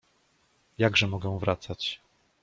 Jakże mogę wracać?